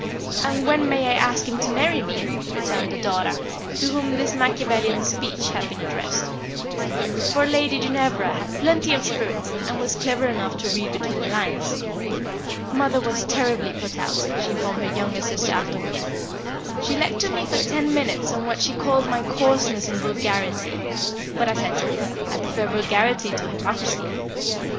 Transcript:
"And when may I ask him to marry me?" returned the daughter, to whom this Machiavellian speech had been addressed; for Lady Ginevra had plenty of spirit, and was clever enough to read between the lines. "Mother was terribly put out," she informed her younger sister afterwards. "She lectured me for ten minutes on what she called my coarseness and vulgarity; but, as I told her, I prefer vulgarity to hypocrisy.